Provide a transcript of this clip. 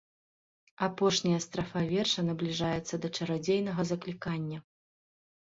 Апошняя страфа верша набліжаецца да чарадзейнага заклікання.